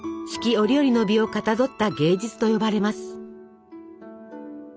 折々の美をかたどった芸術と呼ばれます。